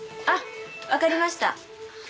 あっわかりました。